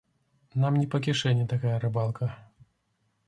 Нам не па кішэні такая рыбалка.